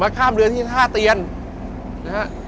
ข้ามเรือที่ท่าเตียนนะฮะ